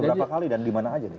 berapa kali dan dimana aja nih